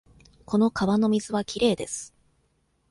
この川の水はきれいです。